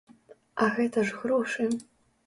А гэта ж грошы!